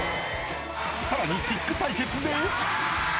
更に、キック対決で。